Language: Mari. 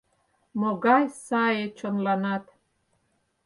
Могай сае чонланат!